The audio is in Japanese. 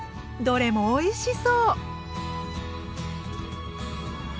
どれもおいしそう！